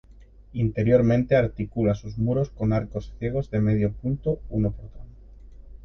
Interiormente articula sus muros con arcos ciegos de medio punto, uno por tramo.